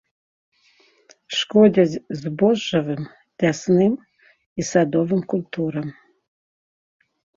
Шкодзяць збожжавым, лясным і садовым культурам.